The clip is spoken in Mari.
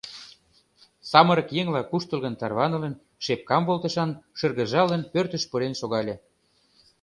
Самырык еҥла куштылгын тарванылын, шепкам волтышан шыргыжалын, пӧртыш пурен шогале.